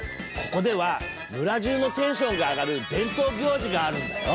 ここでは村中のテンションが上がる伝統行事があるんだよ。